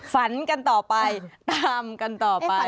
ฝันกันต่อไปตามกันต่อไป